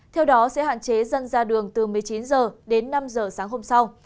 theo đó sẽ hạn chế dân ra đường từ một mươi chín h đến năm h sáng hôm sau